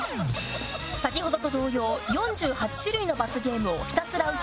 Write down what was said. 「先ほどと同様４８種類の罰ゲームをひたすら受ける山内さん」